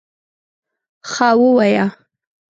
_ښه، ووايه!